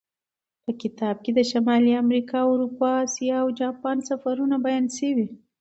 په کتاب کې د شمالي امریکا، اروپا، اسیا او جاپان سفرونه بیان شوي.